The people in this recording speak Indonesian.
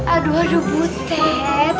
aduh aduh ustaz